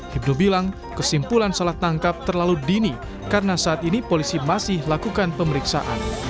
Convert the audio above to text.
hibdul bilang kesimpulan salah tangkap terlalu dini karena saat ini polisi masih lakukan pemeriksaan